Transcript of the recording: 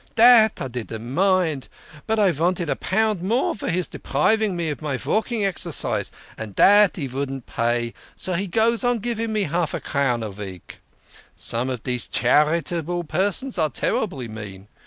" Dat I didn't mind. But I vanted a pound more for his depriving me of my valking exercise, and dat he vouldn't pay, so he still goes on giving me de half crown a veek. Some of dese charitable persons are terribly mean.